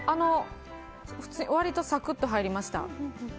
割とサクッと入りました。